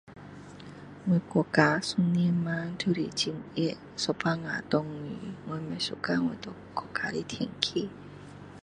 我国家一年里都是很热有时候下雨我不喜欢我国家的天气